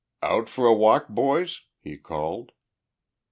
"Out for a walk, boys?" he called.